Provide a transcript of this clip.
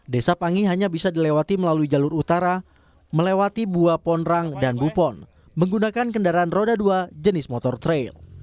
desa pangi hanya bisa dilewati melalui jalur utara melewati buah ponrang dan bupon menggunakan kendaraan roda dua jenis motor trail